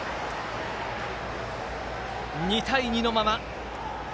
２対２のまま。